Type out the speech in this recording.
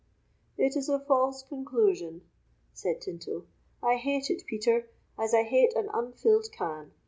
"It is a false conclusion," said Tinto; "I hate it, Peter, as I hate an unfilled can.